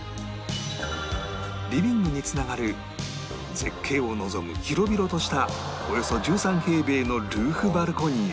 リビングに繋がる絶景を望む広々としたおよそ１３平米のルーフバルコニーや